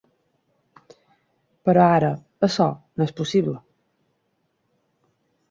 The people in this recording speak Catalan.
Però ara això no és possible.